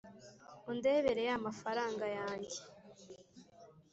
Undebere ya mafaranga yange,